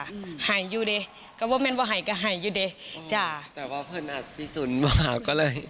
โอ้โหพื้นอาจสี่สุ่นประหลาก็เลย